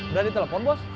udah ditelepon bos